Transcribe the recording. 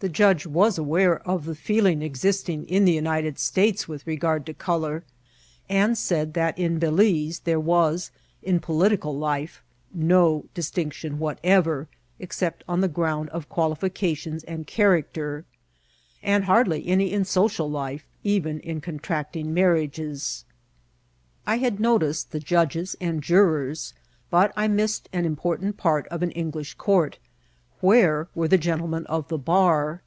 The judge was aware of the feeling existing in the United States with regard to colour, and said that in Belize there was, in political life, no distinction what ever, except on the ground of qualifications and char acter ; and hardly any in social life, even in contract ing marriages. I had noticed the judges and jurors, but I missed aj;i important part of an English court. Where were the gentlemen of the bar